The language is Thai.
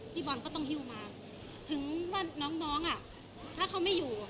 พี่บอลก็ต้องหิ้วมาถึงว่าน้องน้องอ่ะถ้าเขาไม่อยู่